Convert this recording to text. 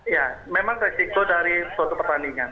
ya memang resiko dari suatu pertandingan